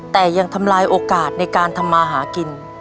แต่ยังทำลายโอกาสในการทำมาหากิน